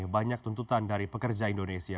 banyak tuntutan dari pekerja indonesia